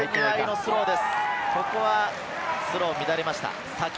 スローが乱れました。